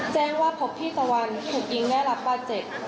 แจ้งว่าพบพี่ตะวันถูกยิงแน่ลักษณ์ประเจ็ด